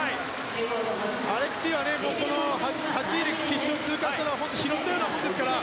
アレクシーは８位で決勝通過したのは本当に拾ったようなものですからね。